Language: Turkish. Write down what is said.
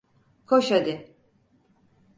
Koş hadi!